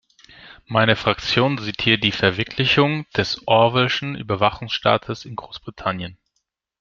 Meine Fraktion sieht hier die Verwirklichung des Orwell'schen Überwachungsstaates in Großbritannien.